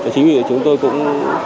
chính vì vậy chúng tôi cũng